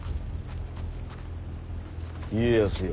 家康よ。